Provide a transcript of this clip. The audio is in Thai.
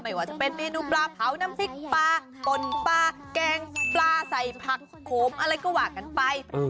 ว่าจะเป็นเมนูปลาเผาน้ำพริกปลาป่นปลาแกงปลาใส่ผักโขมอะไรก็ว่ากันไป